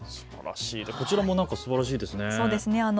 こちらもすばらしいですね。